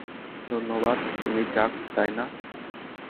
ধন্যবাদ, তুমি চাক, তাই না?